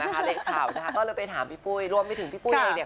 ก็เลยไปถามพี่ปุ้ยรวมไม่ถึงพี่ปุ้ยเอง